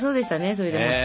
それでもって。